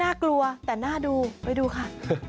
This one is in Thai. กลัวแต่น่าดูไปดูค่ะ